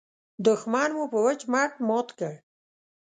دوښمن مو په وچ مټ مات کړ.